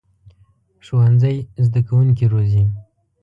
ښوونځی زده کوونکي روزي